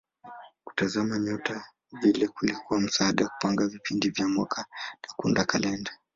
Kutazama nyota vile kulikuwa msaada wa kupanga vipindi vya mwaka na kuunda kalenda.